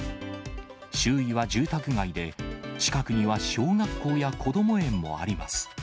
周囲は住宅街で、近くには小学校やこども園もあります。